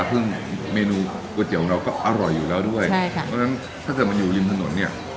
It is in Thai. ซึ่งเมนูก๋วยเตี๋ยวของเราก็อร่อยอยู่แล้วด้วยใช่ค่ะเพราะฉะนั้นถ้าเกิดมันอยู่ริมถนนเนี่ย